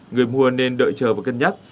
người mua nên đợi chờ và cân nhắc